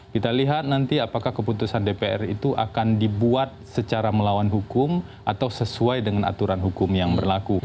kita lihat nanti apakah keputusan dpr itu akan dibuat secara melawan hukum atau sesuai dengan aturan hukum yang berlaku